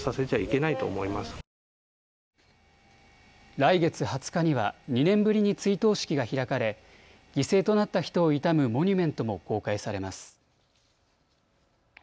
来月２０日には２年ぶりに追悼式が開かれ、犠牲となった人を悼むモニュメントも公開されます。